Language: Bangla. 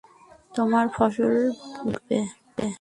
তোমার ফসল বেড়ে উঠবে।